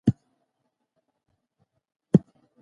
او څوک بې پروا وو.